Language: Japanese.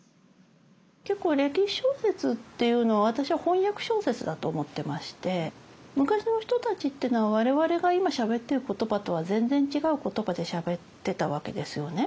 結構歴史小説っていうのは私は翻訳小説だと思ってまして昔の人たちっていうのは我々が今しゃべってる言葉とは全然違う言葉でしゃべってたわけですよね。